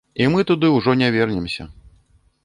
І мы туды ўжо не вернемся.